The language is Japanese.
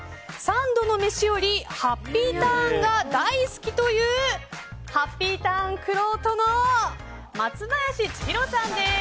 ３度の飯よりハッピーターンが大好きだというハッピーターンくろうとの松林千宏さんです。